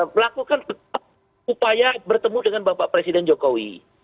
melakukan upaya bertemu dengan bapak presiden jokowi